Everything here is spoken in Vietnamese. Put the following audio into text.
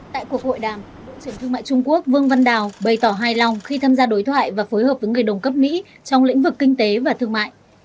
tại cuộc hội đàm bộ trưởng thương mại trung quốc vương văn đào bày tỏ hài lòng khi tham gia đối thoại và phối hợp với người đồng cấp mỹ trong lĩnh vực kinh tế và thương mại